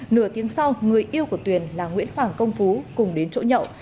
nửa tiếng sau người yêu của tuyền là nguyễn hoàng công phú cùng đến chỗ nhậu